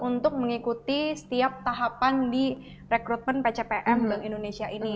untuk mengikuti setiap tahapan di rekrutmen pcpm bank indonesia ini